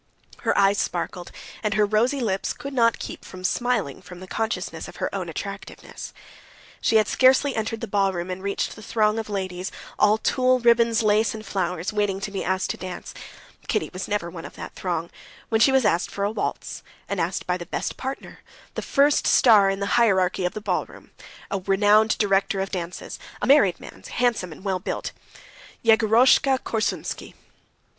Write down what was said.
Her eyes sparkled, and her rosy lips could not keep from smiling from the consciousness of her own attractiveness. She had scarcely entered the ballroom and reached the throng of ladies, all tulle, ribbons, lace, and flowers, waiting to be asked to dance—Kitty was never one of that throng—when she was asked for a waltz, and asked by the best partner, the first star in the hierarchy of the ballroom, a renowned director of dances, a married man, handsome and well built, Yegorushka Korsunsky.